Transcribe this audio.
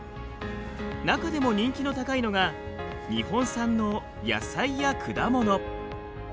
中でも人気の高いのが日本産の野菜や果物。